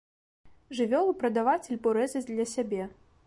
Жывёлу прадаваць альбо рэзаць для сябе.